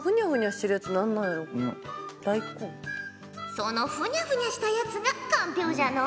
そのふにゃふにゃしたやつがかんぴょうじゃのう。